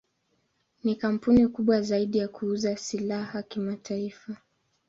Ni kampuni kubwa zaidi ya kuuza silaha kimataifa.